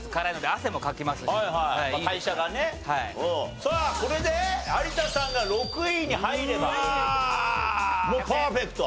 さあこれで有田さんが６位に入ればもうパーフェクト。